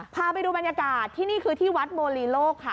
พาไปดูบรรยากาศที่นี่คือที่วัดโมลีโลกค่ะ